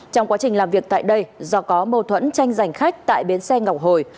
trong quá trình làm việc tại đây do có mâu thuẫn tranh giành khách tại bến xe ngọc hồi